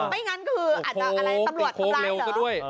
ไม่งั้นคืออาจจะอะไรตำรวจทำร้ายเหรอ